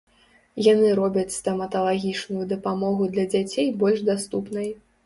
Яны робяць стаматалагічную дапамогу для дзяцей больш даступнай.